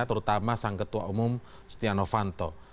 terutama sang ketua umum setia novanto